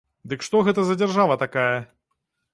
Дык што гэта за дзяржава такая?